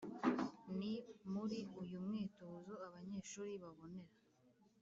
Ni muri uyu mwitozo abanyeshuri babonera